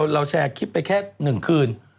เราแชร์คลิปไปแค่๑คืน